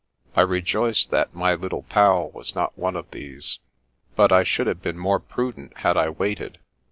I rejoiced that my little Pal was not one of these ; but I should have been more prudent had I waited.